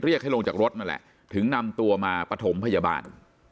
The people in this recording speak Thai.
ให้ลงจากรถนั่นแหละถึงนำตัวมาปฐมพยาบาล